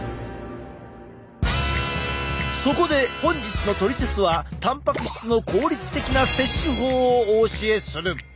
そこで本日のトリセツはたんぱく質の効率的な摂取法をお教えする！